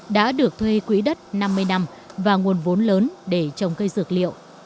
đã được thuê quỹ đất năm mươi năm và nguồn vốn lớn để trồng cây dược liệu